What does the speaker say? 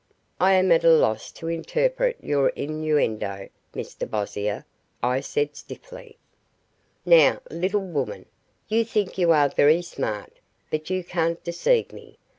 "I am at a loss to interpret your innuendo, Mr Bossier," I said stiffly. "Now, little woman, you think you are very smart, but you can't deceive me.